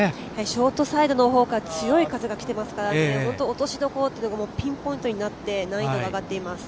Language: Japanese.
ショートサイドの方から強い風が来ていますから落としどころピンポイントになって難易度が上がっています。